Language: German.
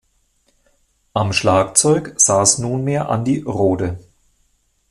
Am Schlagzeug saß nunmehr Andi Rohde.